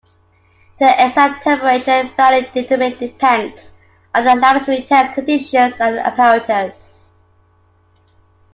The exact temperature value determined depends on the laboratory test conditions and apparatus.